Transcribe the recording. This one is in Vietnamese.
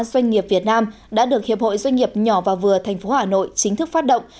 doanh nghiệp việt nam đã được hiệp hội doanh nghiệp nhỏ và vừa tp hà nội chính thức phát động